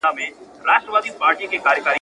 لکه نه وې زېږېدلی لکه نه وي چا لیدلی `